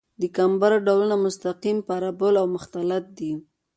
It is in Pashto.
د کمبر ډولونه مستقیم، پارابول او مختلط دي